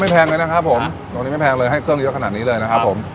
แพงเลยนะครับผมตรงนี้ไม่แพงเลยให้เครื่องเยอะขนาดนี้เลยนะครับผม